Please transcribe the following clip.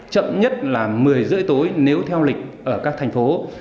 chậm nhất là một mươi rưỡi tối nếu theo lịch ở các thành phố